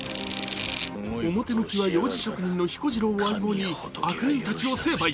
表向きはようじ職人の彦次郎を相棒に悪人たちを成敗。